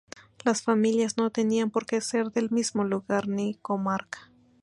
Las familias no tenían por que ser del mismo lugar ni comarca.